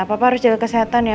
papa harus jaga kesehatan ya